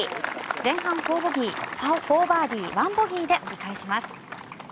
前半４バーディー１ボギーで折り返します。